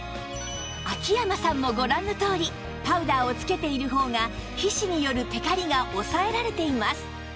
秋山さんもご覧のとおりパウダーをつけている方が皮脂によるテカリが抑えられています